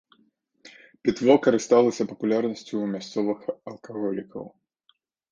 Пітво карысталася папулярнасцю ў мясцовых алкаголікаў.